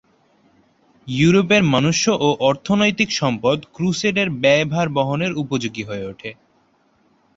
ইউরোপের মনুষ্য ও অর্থনৈতিক সম্পদ ক্রুসেডের ব্যয়ভার বহনের উপযোগী হয়ে ওঠে।